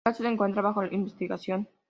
El caso se encuentra bajo investigación.